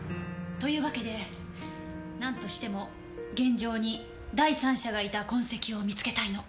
というわけで何としても現場に第三者がいた痕跡を見つけたいの。